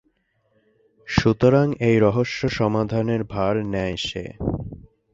সুতরাং এই রহস্য সমাধানের ভার নেয় সে।